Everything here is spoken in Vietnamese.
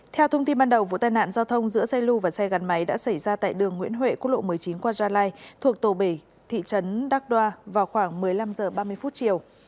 theo thông tin ban đầu vụ tai nạn giao thông giữa xe lưu và xe gắn máy đã xảy ra tại đường nguyễn huệ quốc lộ một mươi chín qua gia lai thuộc tổ bể thị trấn đắk đoa vào khoảng một mươi năm h ba mươi chiều